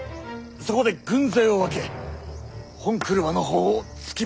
そこで軍勢を分け本曲輪の方をつきまする。